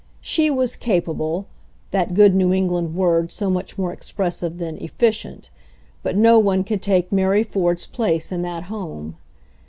Shei was "capable" — that good New England word so much more expressive than "efficient" — but no one could take Mary Ford's place in that home.